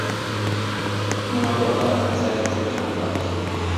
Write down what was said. Non aborda as necesarias consultas populares.